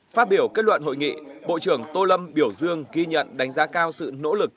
phát biểu kết luận hội nghị bộ trưởng tô lâm biểu dương ghi nhận đánh giá cao sự nỗ lực